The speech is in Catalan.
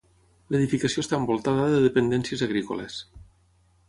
L'edificació està envoltada de dependències agrícoles.